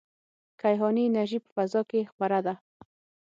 کیهاني انرژي په فضا کې خپره ده.